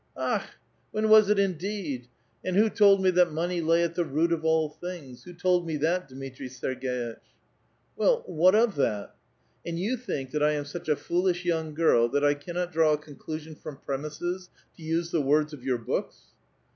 '' Akh! when was it indeed ! and who told me that money lay at the root of all things? Who told me that, Dmitri Serg^itch ?" "Well, what of that?" " And you think that I am such a foolish young girl that I cannot draw a conclusion from premises, to use the words of your books